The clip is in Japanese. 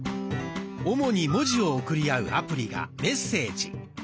主に文字を送り合うアプリが「メッセージ」。